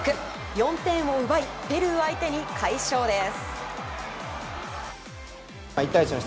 ４点を奪いペルー相手に快勝です。